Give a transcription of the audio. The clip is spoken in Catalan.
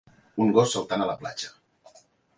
Un gos saltant a la platja